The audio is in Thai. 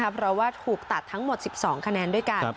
เพราะว่าถูกตัดทั้งหมด๑๒คะแนนด้วยกัน